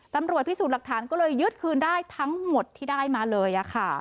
ตำรวจพิสูจน์หลักฐานก็เลยยึดคืนได้ทั้งหมดที่ได้มาเลย